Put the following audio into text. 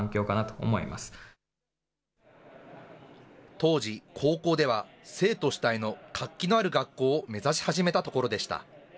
当時、高校では生徒主体の活気のある学校を目指し始めたところでした。